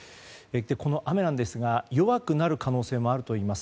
この雨ですが弱くなる可能性もあるといいます。